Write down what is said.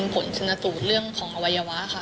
ผลชนสูตรเรื่องของอวัยวะค่ะ